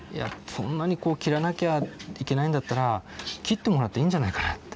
そんなにこう切らなきゃいけないんだったら切ってもらっていいんじゃないかなって。